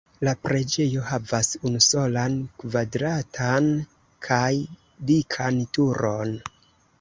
La preĝejo havas unusolan kvadratan kaj dikan turon.